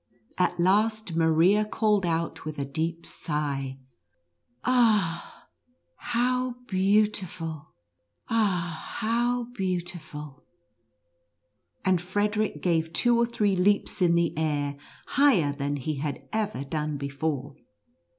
At last Maria called out with a deep sigh, " Ah, how beautiful ! ah, how beautiful !" and Frederic gave two or three leaps in the air higher than he had ever done before.